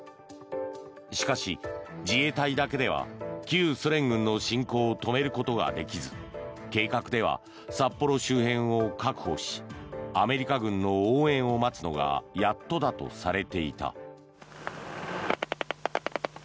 しかし、自衛隊だけでは旧ソ連軍の侵攻を止めることができず計画では札幌周辺を確保しアメリカ軍の応援を待つのがやっとだとされていた。